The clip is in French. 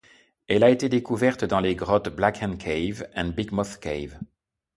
Elle a été découverte dans les grottes Black Hand Cave et Big Mouth Cave.